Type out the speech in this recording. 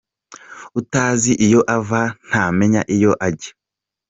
Utazi iyo ava ntamenya iyo ajya.